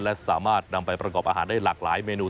และสามารถนำไปประกอบอาหารได้หลากหลายเมนู